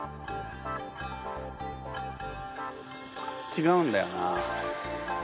ちがうんだよな。